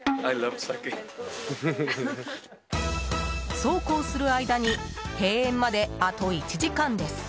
そうこうする間に閉園まで、あと１時間です。